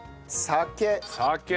酒！